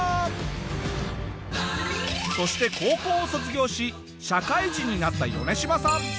そして高校を卒業し社会人になったヨネシマさん。